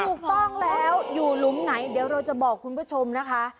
ถูกต้องแล้วอยู่หลุมไหนเดี๋ยวเราจะบอกคุณผู้ชมนะคะ